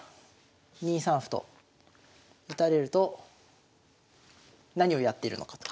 ２三歩と打たれると何をやってるのかと。